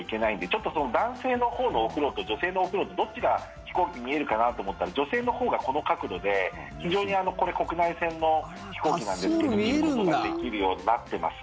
ちょっと男性のほうのお風呂と女性のお風呂とどっちが飛行機見えるかなと思ったら女性のほうがこの角度で非常にこれ国内線の飛行機なんですけど見ることができるようになってます。